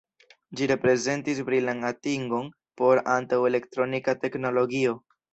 Ĝi reprezentis brilan atingon por antaŭ-elektronika teknologio.